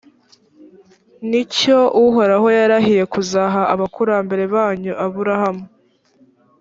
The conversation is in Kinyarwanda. ni cyo uhoraho yarahiye kuzaha abakurambere banyu abrahamu